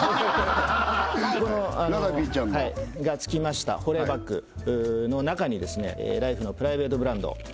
ララピーちゃんのがつきました保冷バッグの中にライフのプライベートブランド